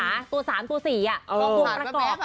ตัว๓ตัว๔ตัววงประกอบ